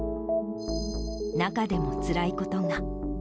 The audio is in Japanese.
中でもつらいことが。